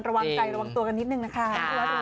ระวังใจระวังตัวกันนิดนึงนะคะ